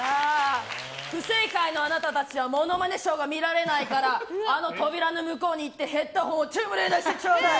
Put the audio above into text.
不正解のあなたたちはモノマネショーが見られないからあの扉の向こうに行ってヘッドフォンをトゥームレイダーしてください。